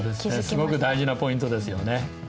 すごく大事なポイントですよね。